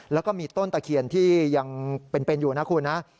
แล้วก็มีต้นตะเคียนที่ยังเป็นอยู่นะคุณนะ